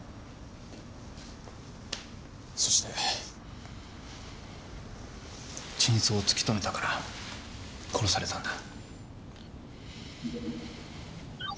そして真相を突き止めたから殺されたんだ。